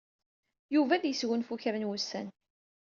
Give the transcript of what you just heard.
Yuba ad yesgunfu kra n wussan.